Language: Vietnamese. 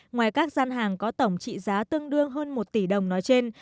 ngoài các gian hàng có tổng trị giá tương đương hơn một tỷ đồng nói trên